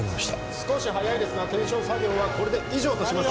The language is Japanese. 少し早いですが検証作業はこれで以上とします